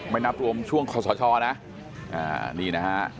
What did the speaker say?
ไม่นับรวมช่วงสชนะนี่นะฮะ